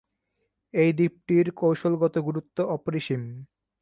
এ দ্বীপটির কৌশলগত গুরুত্ব অপরিসীম।